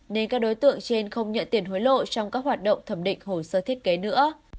nên các đối tượng trên không nhận tiền hối lộ trong các hoạt động thẩm định hồ sơ thiết kế nữa